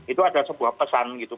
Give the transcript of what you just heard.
itu ada sebuah pesan gitu